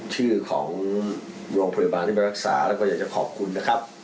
ชื่อของโรงพยาบาลที่มารักษาแล้วก็อยากจะขอบคุณนะครับ